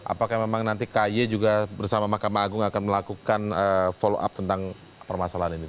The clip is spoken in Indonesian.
apakah memang nanti ky juga bersama mahkamah agung akan melakukan follow up tentang permasalahan ini